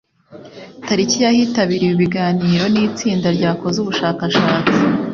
Tariki ya hitabiriwe ibiganiro n itsinda ryakoze ubushakashatsi